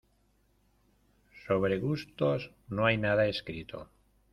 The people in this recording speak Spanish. Sobre gustos no hay nada escrito.